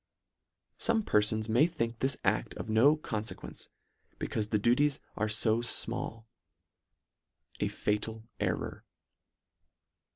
Some perfons may think this acT: of no con fequence, becaufe the duties are fo J mall. A fatal error.